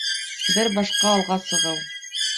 Бер башҡа алға сығыу